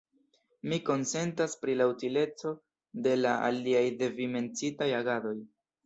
Mi konsentas pri la utileco de la aliaj de vi menciitaj agadoj.